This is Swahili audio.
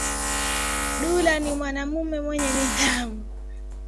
Makamu wa rais wa Zanzibar ni yule anayepata kura nyingi